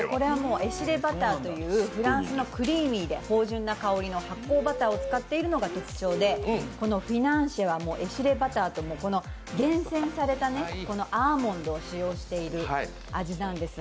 エシレバターというフランスのクリーミーで芳じゅんな香りの発酵バターを使っているのが特徴でこのフィナンシェはエシレバターと厳選されたアーモンドを使用している味なんです。